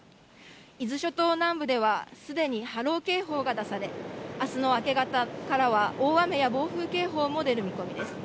伊豆諸島南部では、すでに波浪警報が出され、あすの明け方からは、大雨や暴風警報も出る見込みです。